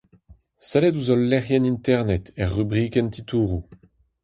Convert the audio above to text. Sellet ouzh hol lec'hienn internet er rubrikenn titouroù.